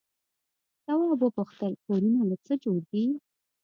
تواب وپوښتل کورونه له څه جوړ دي؟